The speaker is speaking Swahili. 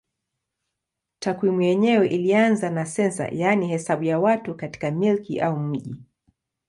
Takwimu yenyewe ilianza na sensa yaani hesabu ya watu katika milki au mji.